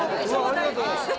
ありがとうございます。